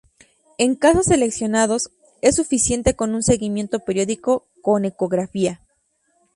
En casos seleccionados, es suficiente con un seguimiento periódico con ecografía.